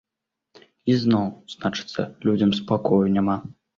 Ізноў, значыцца, людзям спакою няма.